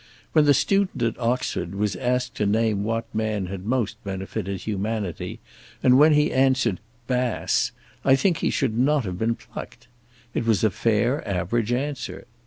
When the student at Oxford was asked what man had most benefited humanity, and when he answered "Bass," I think that he should not have been plucked. It was a fair average answer.